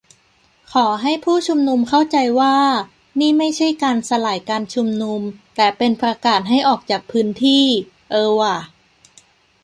"ขอให้ผู้ชุมนุมเข้าใจว่า นี่ไม่ใช่การสลายการชุมนุม แต่เป็นการประกาศให้ออกจากพื้นที่" เออว่ะ